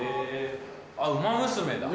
あっ『ウマ娘』だ！